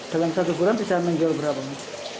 dalam satu bulan bisa menjual berapa mas